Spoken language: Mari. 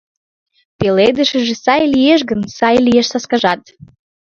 Пеледышыже сай лиеш гын, сай лиеш саскажат.